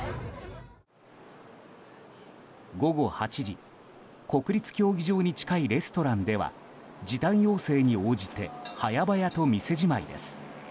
午後８時国立競技場に近いレストランでは時短要請に応じて早々と店じまいです。